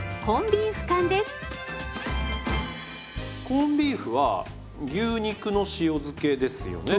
コンビーフは牛肉の塩漬けですよね？